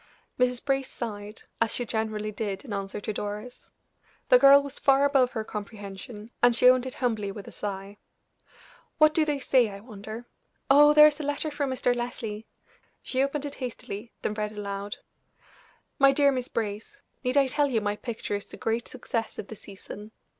Mrs. Brace sighed, as she generally did in answer to Doris. The girl was far above her comprehension, and she owned it humbly with a sigh. "What do they say, I wonder? Oh, there is a letter from Mr. Leslie!" She opened it hastily, then read aloud: "MY DEAR MISS BRACE, Need I tell you my picture is the great success of the season?